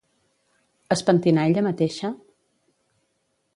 Es pentinà ella mateixa?